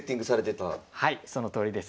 はいそのとおりです。